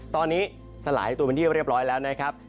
ตอนนี้สลายตัวเป็นที่เรียบร้อยแล้วนะครับ